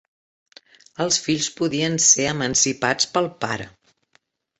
Els fills podien ser emancipats pel pare.